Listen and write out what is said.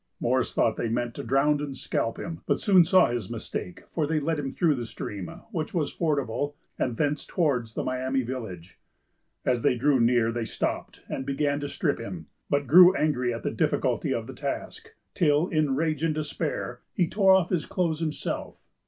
Morris thought that they meant to drown and scalp him, but soon saw his mistake; for they led him through the stream, which was fordable, and thence towards the Miami village. As they drew near, they stopped, and began to strip him, but grew angry at the difficulty of the task; till, in rage and despair, he tore off his clothes himself.